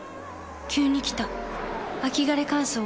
急に来た秋枯れ乾燥。